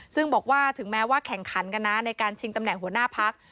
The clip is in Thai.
ซึ่งบอกว่าถึงแม้ว่าแข่งขันกันนะในการชิงตำแหน่งหัวหน้าพัก